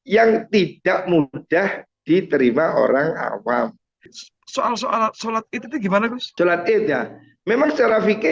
yang tidak mudah diterima orang awam soal soal sholat itu gimana sholat id nya memang secara fikir